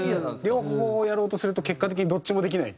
両方やろうとすると結果的にどっちもできない。